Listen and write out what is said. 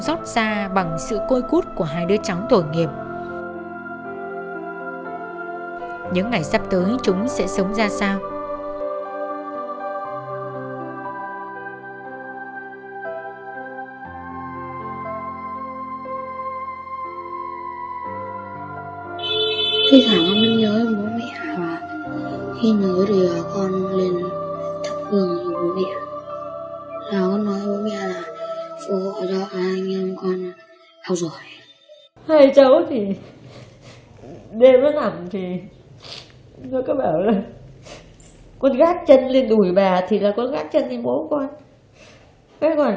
rãi ra bằng sự côi cút của hai đứa cháu tội nghiệp những ngày sắp tới chúng sẽ sống ra sao